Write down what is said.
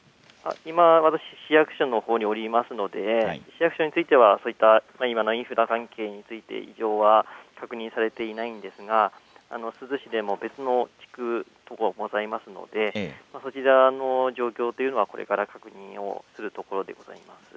今、私、市役所のほうにおりますので市役所についてはインフラ関係について異常は確認されていないんですが、珠洲市でも別の地区などがございますのでそちらの状況というのはこれから確認をするところでございます。